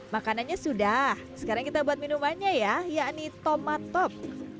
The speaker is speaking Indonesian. makanannya sudah sekarang kita buat minumannya ya yakni tomat top